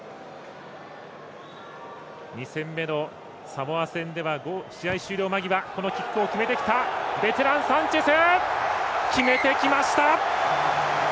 ２戦目のサモア戦では試合終了間際このキックを決めてきたベテラン、サンチェス。